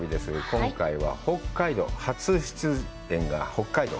今回は北海道、初出演が北海道。